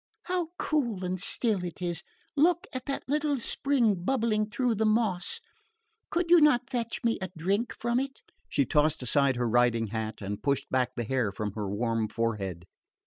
"How cool and still it is! Look at that little spring bubbling through the moss. Could you not fetch me a drink from it?" She tossed aside her riding hat and pushed back the hair from her warm forehead.